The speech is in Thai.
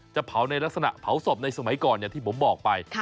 จะเผาในลักษณะเผาศพในสมัยก่อนอย่างที่ผมบอกไป